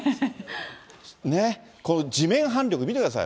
ね、地面反力見てください。